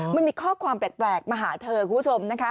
มันมีข้อความแปลกมาหาเธอคุณผู้ชมนะคะ